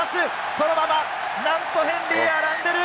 そのまま、なんとヘンリー・アランデル！